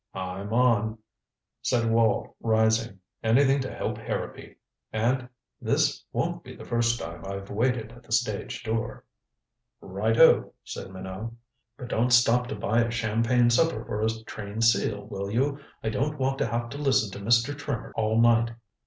"I'm on," said Wall, rising. "Anything to help Harrowby. And this won't be the first time I've waited at the stage door." "Right o," said Minot. "But don't stop to buy a champagne supper for a trained seal, will you? I don't want to have to listen to Mr. Trimmer all night."